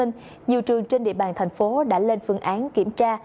nhiều trường trên địa bàn thành phố đã lên phương án kiểm tra